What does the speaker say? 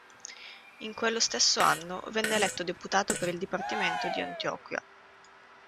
In quello stesso anno venne eletto Deputato per il Dipartimento di Antioquia.